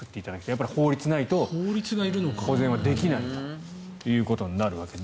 やっぱり法律がないと保全はできないということになるわけです。